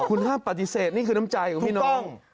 คุณห้ามปฏิเสธนี่คือน้ำใจของพี่น้อง